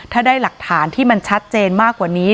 ถ้าได้หลักฐานที่มันชัดเจนมากกว่านี้